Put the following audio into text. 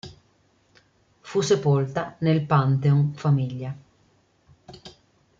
Fu sepolta nel pantheon famiglia.